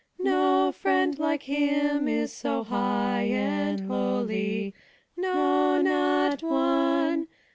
2. No friend like him is so high and ho ly. No, not one